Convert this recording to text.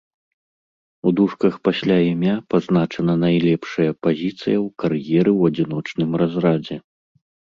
У дужках пасля імя пазначана найлепшая пазіцыя ў кар'еры ў адзіночным разрадзе.